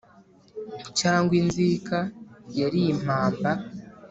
cyangwa inzika yari impamba